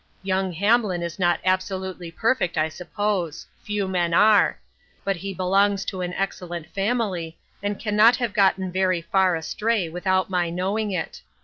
Young Hamlin is not absolutely perfect, I suppose ; few men are ; but he belongs to an excellent family and cannot have gotten very far astray without my know ing it.